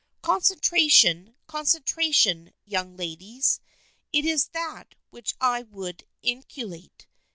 Concentration — concentration, young ladies. It is that which I would inculcate.